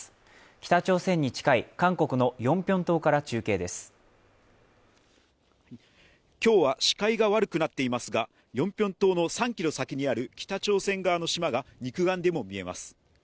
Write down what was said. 北朝鮮に近い韓国のヨンピョン島から中継です今日は視界が悪くなっていますが、ヨンピョン島の３キロ先にある北朝鮮側の島が肉眼でも見えます。